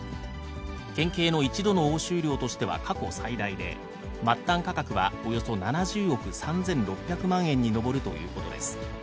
県警の１度の押収量としては過去最大で、末端価格はおよそ７０億３６００万円に上るということです。